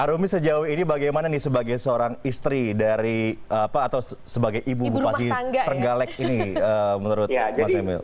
arumi sejauh ini bagaimana nih sebagai seorang istri dari apa atau sebagai ibu bupati terenggalek ini menurut mas emil